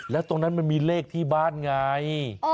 แล้วตรงนั้นมันมีเลขที่บ้านไง